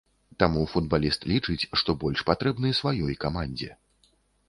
Таму футбаліст лічыць, што больш патрэбны сваёй камандзе.